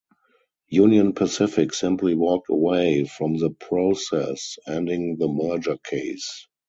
Union Pacific simply walked away from the process, ending the merger case.